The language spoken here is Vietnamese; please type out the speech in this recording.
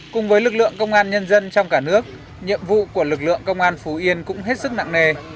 cùng với lực lượng công an nhân dân trong cả nước nhiệm vụ của lực lượng công an phú yên cũng hết sức nặng nề